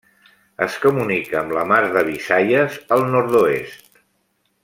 Es comunica amb la mar de Visayas al nord-oest.